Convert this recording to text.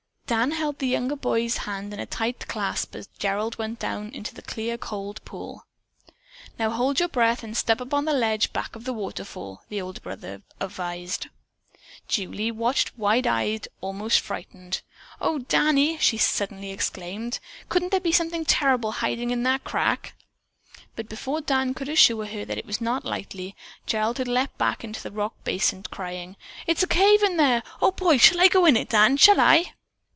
Dan held the younger boy's hand in a tight clasp as Gerald went down into the clear, cold pool. "Now, hold your breath and step up on that ledge back of the waterfall," the older brother advised. Julie watched wide eyed, almost frightened. "Oh, Danny," she suddenly exclaimed, "couldn't there be something terrible hiding in that crack?" But before Dan could assure her that it was not likely, Gerald had leaped back into the rock basin, crying: "It's a cave in there! Oh, boy! Shall I go in it, Dan; shall I?"